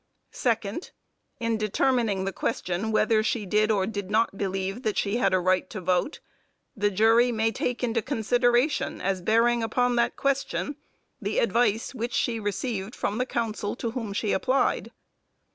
Second In determining the question whether she did or did not believe that she had a right to vote, the jury may take into consideration, as bearing upon that question, the advice which she received from the counsel to whom she applied.